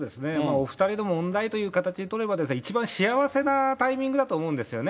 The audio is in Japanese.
お２人の問題という形で取れば、一番幸せなタイミングだと思うんですよね。